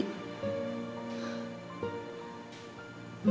lu kenapa lan